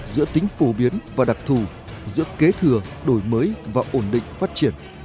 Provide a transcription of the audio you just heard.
giữa tính phổ biến và đặc thù giữa kế thừa đổi mới và ổn định phát triển